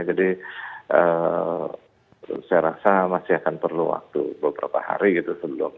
jadi saya rasa masih akan perlu waktu beberapa hari gitu